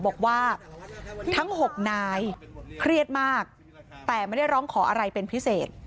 บอกว่าทั้ง๖นายเครียดมากแต่ไม่ได้ร้องขออะไรเป็นพิเศษ